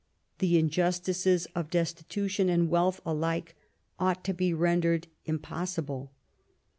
The injustices of destitution and wealth alike ought to be rendered impossible.